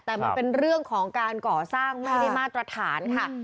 แต่มันเป็นเรื่องของการก่อสร้างไม่ได้มาตรฐานค่ะ